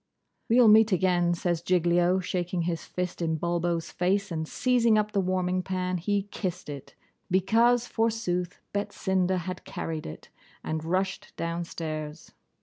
'We'll meet again,' says Giglio, shaking his fist in Bulbo's face; and seizing up the warming pan, he kissed it, because, forsooth, Betsinda had carried it, and rushed downstairs.